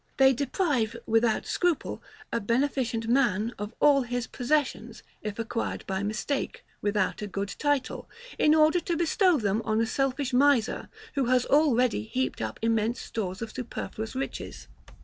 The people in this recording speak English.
They deprive, without scruple, a beneficent man of all his possessions, if acquired by mistake, without a good title; in order to bestow them on a selfish miser, who has already heaped up immense stores of superfluous riches.